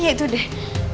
iya itu deh